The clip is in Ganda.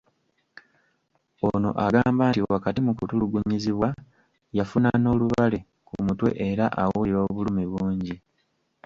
Ono agamba nti wakati mu kutulugunyizibwa yafuna n’olubale ku mutwe era awulira obulumi bungi.